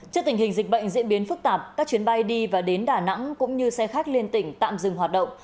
trước tình hình dịch bệnh diễn biến phức tạp các chuyến bay đi và đến đà nẵng cũng như xe khách liên tỉnh tạm dừng hoạt động